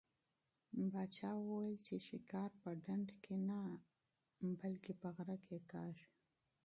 پاچا وویل چې ښکار په ډنډ کې نه بلکې په غره کې کېږي.